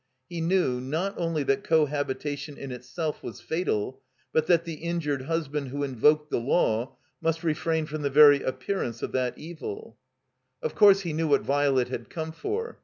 He knew, not only that cohabita tion in itself was fatal, but that the uijtired husband who invoked the law must refrain from the very appearance of that evil. 38X THE COMBINED MAZE Of course, he knew what Violet had come for.